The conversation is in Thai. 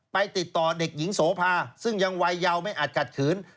ไปติดต่อเด็กหญิงโสภาซึ่งยังวัยยาวไม่อาจขัดขืน